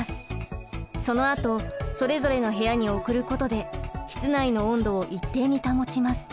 そのあとそれぞれの部屋に送ることで室内の温度を一定に保ちます。